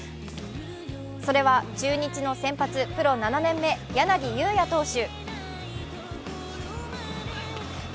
それは、中日の先発プロ７年目、柳裕也投手。